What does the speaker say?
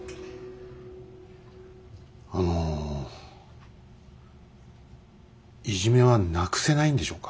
あのいじめはなくせないんでしょうか。